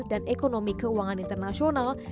dan ekonomi keuangan internasional